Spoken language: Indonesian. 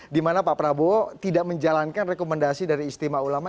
dimana pak prabowo tidak menjalankan rekomendasi dari istimewa ulama